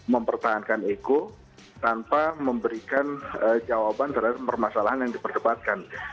mempertahankan ego tanpa memberikan jawaban terhadap permasalahan yang dipercepatkan